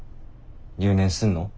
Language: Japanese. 留年すんの？